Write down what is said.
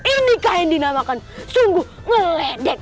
ini kaya yang dinamakan sungguh ngeledek